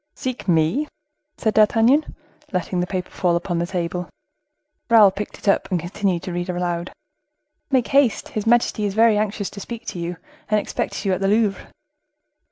"Seek me!" said D'Artagnan, letting the paper fall upon the table. Raoul picked it up, and continued to read aloud:— "Make haste. His majesty is very anxious to speak to you, and expects you at the Louvre."